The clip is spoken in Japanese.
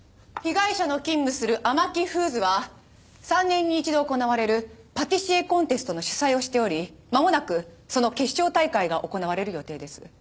被害者の勤務するＡＭＡＫＩフーズは３年に１度行われるパティシエコンテストの主催をしておりまもなくその決勝大会が行われる予定です。